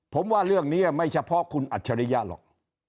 ผมว่าเรื่องนี้ไม่เฉพาะคุณอัจฉริยะหรอก